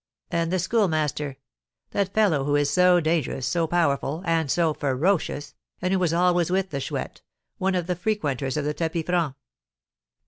"And the Schoolmaster, that fellow who is so dangerous, so powerful, and so ferocious, and who was always with the Chouette, one of the frequenters of the tapis franc?"